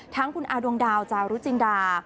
ทั้งคุณอาดวงดาวจารุจินดา